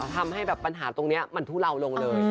ทำให้แบบปัญหาตรงนี้มันทุเลาลงเลย